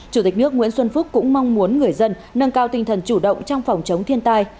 chủ tịch nước nguyễn xuân phúc cũng mong muốn người dân nâng cao tinh thần chủ động trong phòng chống thiên tai